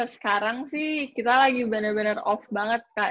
sekarang sih kita lagi bener bener off banget kak